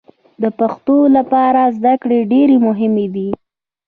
د پښتنو لپاره زدکړې ډېرې مهمې دي